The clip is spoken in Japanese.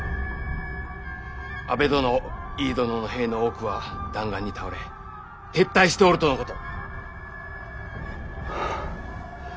阿部殿井伊殿の兵の多くは弾丸に倒れ撤退しておるとのこと。